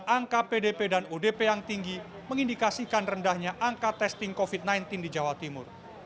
angka pdp dan odp yang tinggi mengindikasikan rendahnya angka testing covid sembilan belas di jawa timur